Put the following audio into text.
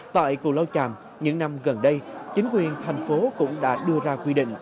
tại cù lao tràm những năm gần đây chính quyền thành phố cũng đã đưa ra quy định